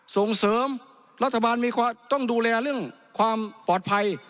ส่งเสริมรัฐบาลมีความต้องดูแลเรื่องความปลอดภัย